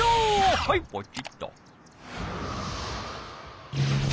はいポチッと。